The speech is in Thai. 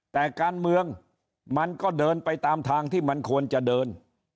แต่การเมืองมันก็เดินไปตามทางที่มันควรจะเดิน